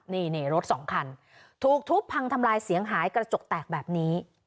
นี่รถสองคันถูกทุบพังทำลายเสียงหายกระจกแตกแบบนี้